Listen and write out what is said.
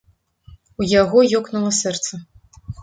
У яго ёкнула сэрца.